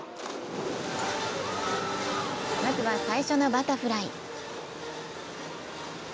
まずは最初のバタフライ。